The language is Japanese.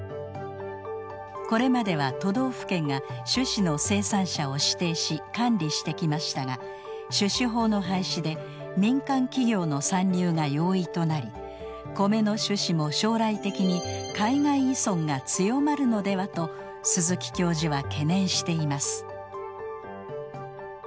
これまでは都道府県が種子の生産者を指定し管理してきましたが種子法の廃止で民間企業の参入が容易となりコメの種子も将来的に海外依存が強まるのではと鈴木教授は懸念しています。